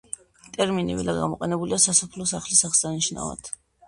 ტერმინი ვილა გამოყენებულია სასოფლო სახლის აღსანიშნავად.